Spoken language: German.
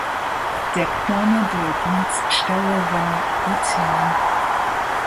Deckname der Dienststelle war "Ozean".